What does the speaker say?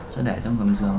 nó đẻ trong cổng giường